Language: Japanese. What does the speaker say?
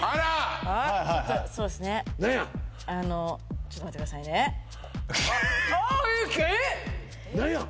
ちょっと待ってくださいねあーっえっ！？